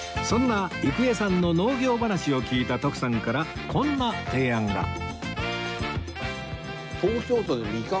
そんな郁恵さんの農業話を聞いた徳さんからこんな提案が